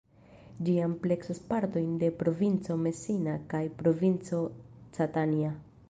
Ĝi ampleksas partojn de provinco Messina kaj provinco Catania.